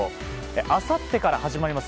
あさってから始まります